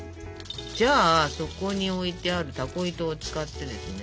じゃあそこに置いてあるタコ糸を使ってですね。